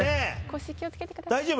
腰気をつけてください大丈夫？